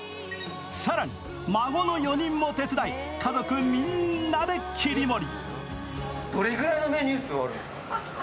更に孫の４人も手伝い、家族みんなで切り盛り。